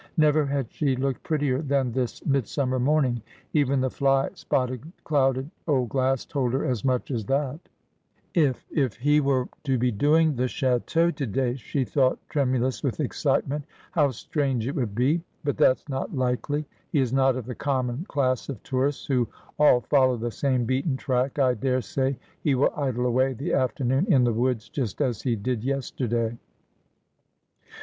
Never had she looked prettier than this midsummer morning. Even the fly spotted clouded old glass told her as much as that. ' If — if he were to be doing the clidteau to day,' she thought, tremulous with excitement, ' how strange it would be, But that's not likely. He is not of the common class of tourists, who all follow the same beaten track. I daresay he will idle away the afternoon in the woods, just as he did yesterday.'